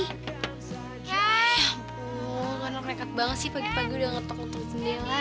ya ampun kan lo nekat banget sih pagi pagi udah ngotok ngotok jendela